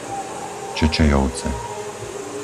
Čečejovce